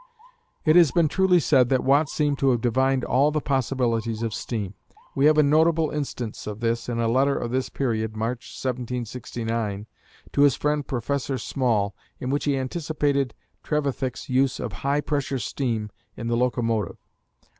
It has been truly said that Watt seemed to have divined all the possibilities of steam. We have a notable instance of this in a letter of this period (March, 1769) to his friend, Professor Small, in which he anticipated Trevithick's use of high pressure steam in the locomotive.